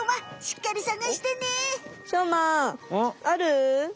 ある？